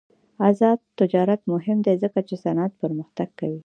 آزاد تجارت مهم دی ځکه چې صنعت پرمختګ کوي.